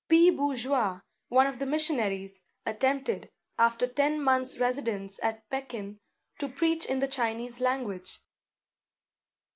P. Bourgeois, one of the missionaries, attempted, after ten months' residence at Pekin, to preach in the Chinese language.